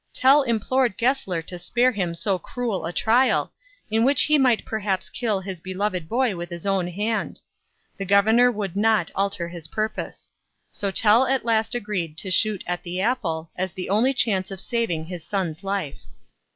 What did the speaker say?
Tell implored Gessler to spare him so cruel a trial, in which he might perhaps kill his beloved boy with his own hand. The governor would not alter his purpose; so Tell at last agreed to shoot at the apple, as the only chance of saving his son's life.